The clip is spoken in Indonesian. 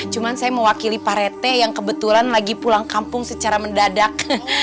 cuma saya mewakili pak rete yang kebetulan lagi pulang kampung secara mendadak